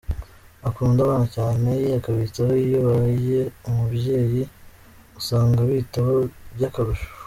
Akunda abana cyane, akabitaho, iyo abaye umubyeyi usanga abitaho by’akarusho.